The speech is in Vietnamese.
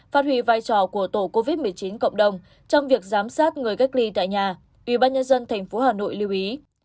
phát huy vai trò của tổ covid một mươi chín cộng đồng trong việc giám sát người cách ly tại nhà ubnd tp hà nội lưu ý